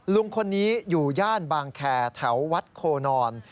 ลุงคนนี้อยู่ย่านบางแคร์แถววัดโคนอน